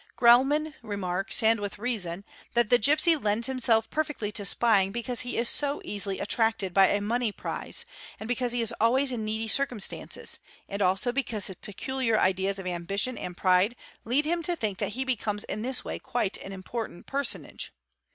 Grellmann) remarks, and with reason, th the gipsy lends himself perfectly to spying because he is so easily tracted by a money prize and because he is always in needy circumsta ces, and also because his peculiar ideas of ambition and pride lead him) think that he becomes in this way quite an important personage.